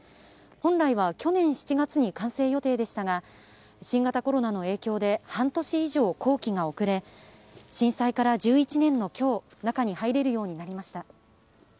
本来は去年７月に完成予定でしたが新型コロナの影響で半年以上、工期が遅れ震災から１１年の今日中に入れるようになりました。